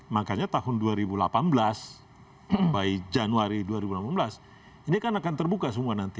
makanya tahun dua ribu delapan belas by januari dua ribu delapan belas ini kan akan terbuka semua nanti